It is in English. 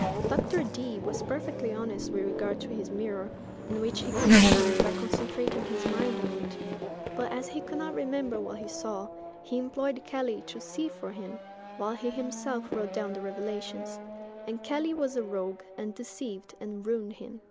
Dr. Dee was perfectly honest with regard to his mirror, in which he could see by concentrating his mind on it; but, as he could not remember what he saw, he employed Kelly to see for him, while he himself wrote down the revelations: and Kelly was a rogue, and deceived and ruined him.